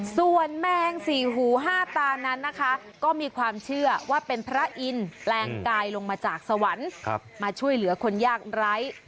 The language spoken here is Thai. ส่วนแมงสี่หูห้าตานั้นนะคะก็มีความเชื่อว่าเป็นพระอินทร์แปลงกายลงมาจากสวรรค์มาช่วยเหลือคนยากไร้